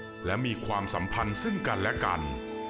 ประกอบต่างและมีความสัมพันธ์ซึ่งกันและกัน